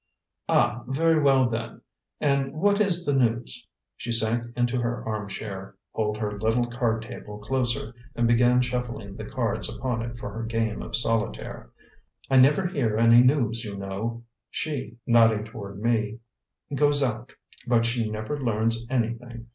"Ah, very well, then. And what is the news?" She sank into her arm chair, pulled her little card table closer, and began shuffling the cards upon it for her game of solitaire. "I never hear any news, you know. She [nodding toward me] goes out, but she never learns anything.